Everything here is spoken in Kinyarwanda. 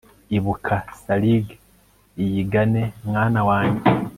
ibuka sarigue, iyigane, mwana wanjye